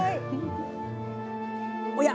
おや？